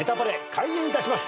開演いたします。